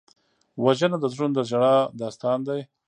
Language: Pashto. وژنه د زړونو د ژړا داستان دی